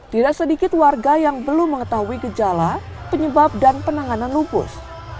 tidak sedikit warga yang belum mengetahui gejala penyebab dan penanganan lupus